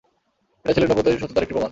এটা ছিল নবুওতের সত্যতার একটি প্রমাণ।